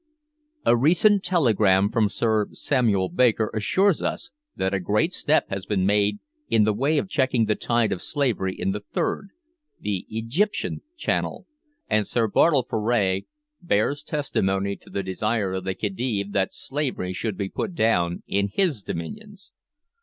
A recent telegram from Sir Samuel Baker assures us that a great step has been made in the way of checking the tide of slavery in the third the Egyptian channel, and Sir Bartle Frere bears testimony to the desire of the Khedive that slavery should be put down in his dominions.